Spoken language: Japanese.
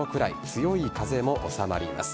強い風も収まります。